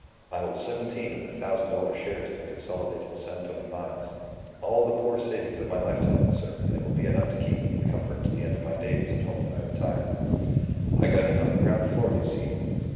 I hold seventeen of the thousand dollar shares in the Consolidated San Tome mines. All the poor savings of my lifetime, sir, and it will be enough to keep me in comfort to the end of my days at home when I retire. I got in on the ground floor, you see.